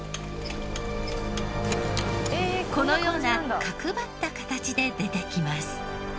このような角ばった形で出てきます。